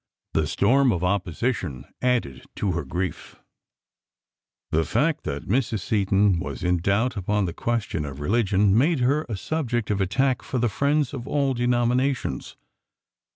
The storm of opposition added to her grief. The fact that Mrs. Seton was in doubt upon the question of religion made her a subject of attack for the friends of all denominations.